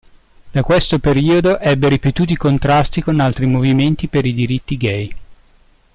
Da questo periodo ebbe ripetuti contrasti con altri movimenti per i diritti gay.